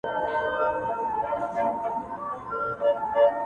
اوس يــې آهـونـــه په واوښتـل!